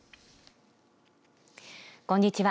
こんにちは。